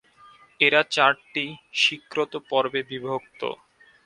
এরা চারটি স্বীকৃত পর্বে বিভক্ত।